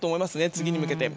次に向けて。